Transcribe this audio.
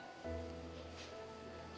kamu tuh cuma